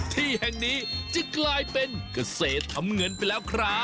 ที่แห่งนี้จะกลายเป็นเกษตรทำเงินไปแล้วครับ